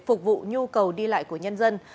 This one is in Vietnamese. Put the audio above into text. phục vụ nhu cầu đi lại của nhân dân